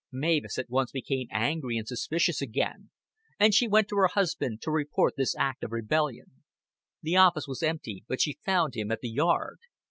Mavis at once became angry and suspicious again, and she went to her husband to report this act of rebellion. The office was empty, but she found him at the yard.